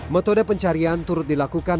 metode pencarian turut dilakukan